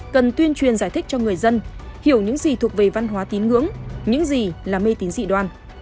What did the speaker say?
cần tuyên truyền giải thích cho người dân hiểu những gì thuộc về văn hóa tín ngưỡng những gì là mê tín dị đoan